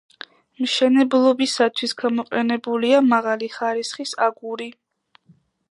მშენებლობისათვის გამოყენებულია მაღალი ხარისხის აგური.